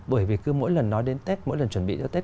bởi vì cứ mỗi lần nói đến tết mỗi lần chuẩn bị cho tết